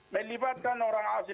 melibatkan orang asli